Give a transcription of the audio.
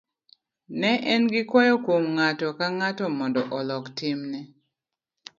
ne en gi kwayo kuom ng'ato ka ng'ato mondo olok timne